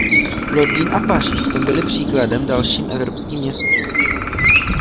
Londýn a Paříž v tom byly příkladem dalším evropským městům.